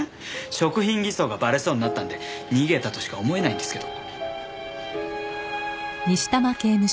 食品偽装がバレそうになったんで逃げたとしか思えないんですけど。